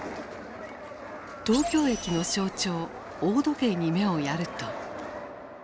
東京駅の象徴大時計に目をやると。